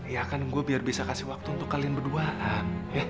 ya kan gue biar bisa kasih waktu untuk kalian berduaan